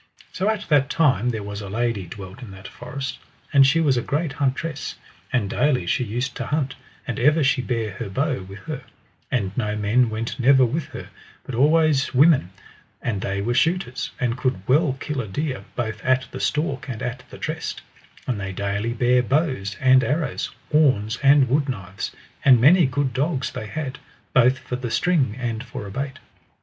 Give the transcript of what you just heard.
So at that time there was a lady dwelt in that forest, and she was a great huntress, and daily she used to hunt, and ever she bare her bow with her; and no men went never with her, but always women, and they were shooters, and could well kill a deer, both at the stalk and at the trest; and they daily bare bows and arrows, horns and wood knives, and many good dogs they had, both for the string and for a bait.